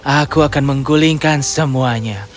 aku akan menggulingkan semuanya